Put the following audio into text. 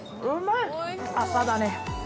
朝だね